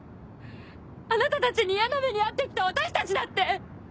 あなたたちに嫌な目に遭ってきた私たちだって！